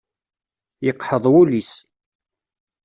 Yeqḥeḍ wul-is.